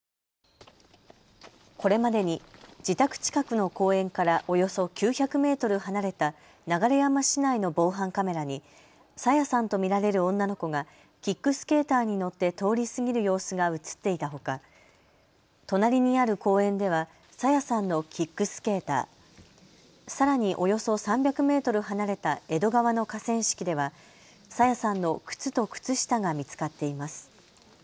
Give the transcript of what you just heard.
これまでに自宅近くの公園からおよそ９００メートル離れた流山市内の防犯カメラに朝芽さんと見られる女の子がキックスケーターに乗って通り過ぎる様子が写っていたほか、隣にある公園では朝芽さんのキックスケーター、さらにおよそ３００メートル離れた江戸川の河川敷では朝芽さんの靴と靴下が見つかっています。